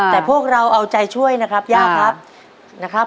แต่พวกเราเอาใจช่วยนะครับย่าครับนะครับ